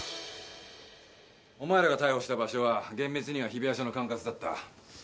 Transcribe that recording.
お前らが逮捕した場所は厳密には日比谷署の管轄だった。